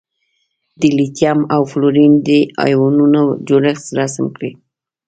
د لیتیم او فلورین د ایونونو جوړښت رسم کړئ.